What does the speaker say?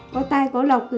có tài cầu lọc